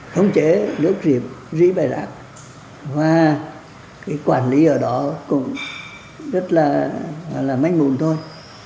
không chế nước rỉ bài rạc và quản lý ở đó cũng rất là mách mùn thôi